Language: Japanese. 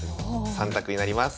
３択になります。